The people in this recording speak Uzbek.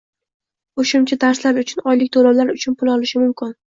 qo‘shimcha darslar uchun oylik to‘lovlar uchun pul olishi mumkin.